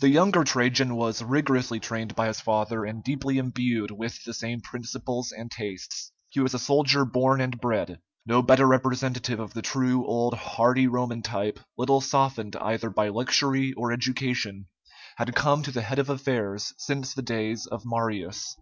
The younger Trajan was rigorously trained by his father, and deeply imbued with the same principles and tastes. He was a soldier born and bred. No better representative of the true old hardy Roman type, little softened either by luxury or education, had come to the head of affairs since the days of Marius.